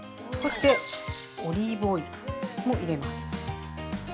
そしてオリーブオイルも入れます。